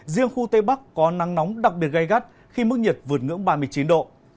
riêng khu tây bắc có nắng nóng đặc biệt gây gắt khi mức nhiệt vượt ngưỡng ba mươi chín độ